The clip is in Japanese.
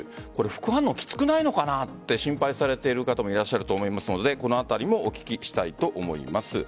副反応、きつくないのかなと心配されている方もいらっしゃると思いますのでこのあたりもお聞きしたいと思います。